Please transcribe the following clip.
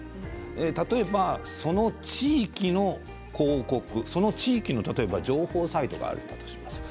例えば、その地域の広告その地域の情報サイトがあるとします。